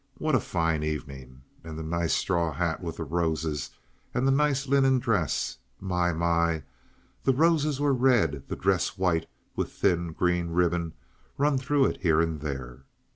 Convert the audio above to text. "What a fine evening! And the nice straw hat with the roses, and the nice linen dress. My, my!" The roses were red; the dress white, with thin, green ribbon run through it here and there.